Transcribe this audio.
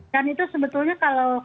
dan itu sebetulnya kalau